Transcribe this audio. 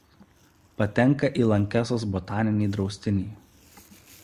Patenka į Lankesos botaninį draustinį.